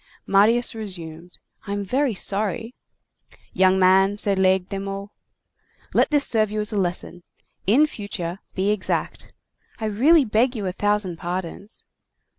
'" Marius resumed:— "I am very sorry—" "Young man," said Laigle de Meaux, "let this serve you as a lesson. In future, be exact." "I really beg you a thousand pardons."